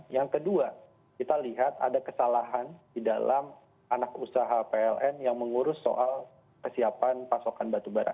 yang kedua kita lihat ada kesalahan di dalam anak usaha pln yang mengurus soal kesiapan pasokan batubara